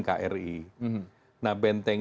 kri nah benteng